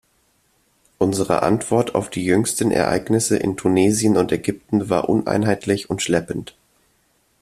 Unsere Antwort auf die jüngsten Ereignisse in Tunesien und Ägypten war uneinheitlich und schleppend.